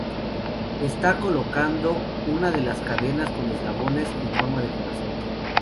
Está colgando de unas cadenas con eslabones en forma de corazón.